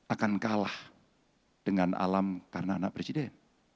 akan kalah dengan alam karena anak presiden